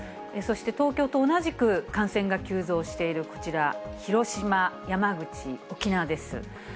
そして東京と同じく、感染が急増しているこちら、広島、山口、沖縄です。